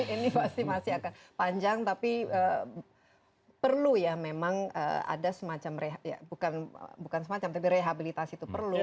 ini pasti masih akan panjang tapi perlu ya memang ada semacam tapi rehabilitasi itu perlu